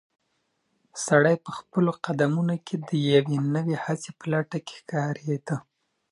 سړی په خپلو قدمونو کې د یوې نوې هڅې په لټه کې ښکارېده.